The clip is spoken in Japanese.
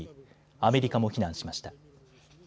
アメリカも非難しました。